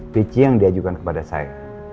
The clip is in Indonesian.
pici yang diajukan kepada saya